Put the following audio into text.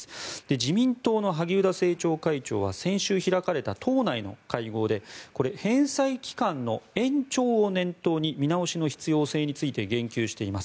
自民党の萩生田政調会長は先週開かれた党内の会合で返済期間の延長を念頭に見直しの必要性について言及しています。